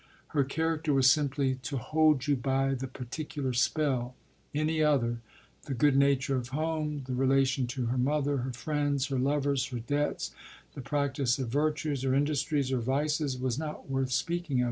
Her character was simply to hold you by the particular spell; any other the good nature of home, the relation to her mother, her friends, her lovers, her debts, the practice of virtues or industries or vices was not worth speaking of.